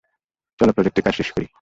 চল প্রজেক্টের কাজ শেষ করি।